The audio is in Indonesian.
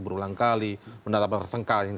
berulang kali mendatang persengkalan yang